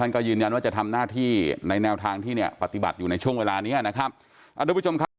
ฉันก็ยืนยันว่าจะทำหน้าที่ในแนวทางที่ปฏิบัติอยู่ในช่วงเวลานี้นะครับ